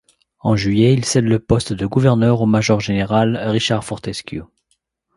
En juillet, il cède le poste de gouverneur au major-général Richard Fortescue.